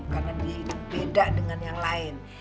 karena dia beda dengan yang lain